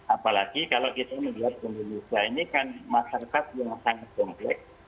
apalagi kalau kita melihat indonesia ini kan masyarakat yang sangat komplek